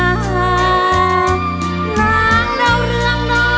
นางเดาเรืองหรือนางแววเดาสิ้นสดหมดสาวกลายเป็นขาวกลับมา